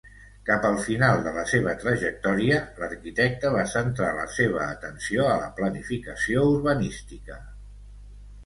Cap al final de la seva trajectòria, l'arquitecte va centrar la seva atenció a la planificació urbanística.